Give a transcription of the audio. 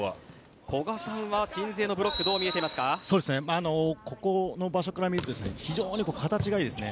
古賀さんは鎮西のブロックここの場所から見ると非常に形がいいですね。